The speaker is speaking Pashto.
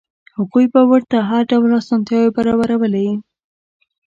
هغوی به ورته هر ډول اسانتیاوې برابرولې.